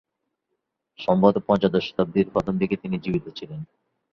সম্ভবত পঞ্চদশ শতাব্দীর প্রথম দিকে তিনি জীবিত ছিলেন।